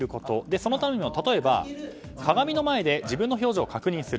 そのためにも、例えば鏡の前で自分の表情を確認する。